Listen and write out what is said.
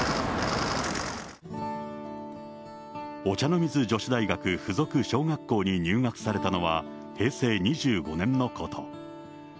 お茶の水女子大学附属小学校に入学されたのは、平成２５年のこと。